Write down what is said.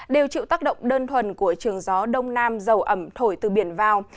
đều chịu tác động đơn thuần của trường gió đông nam dầu ẩm thổi từ biển vào